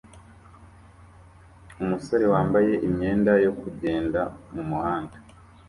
Umusore wambaye imyenda yo kugenda mumuhanda